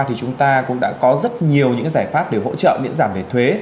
thì chúng ta cũng đã có rất nhiều những giải pháp để hỗ trợ miễn giảm về thuế